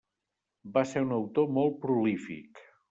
Va ser un autor molt prolífic.